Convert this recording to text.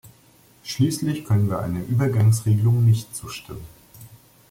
Schließlich können wir einer Übergangsregelung nicht zustimmen.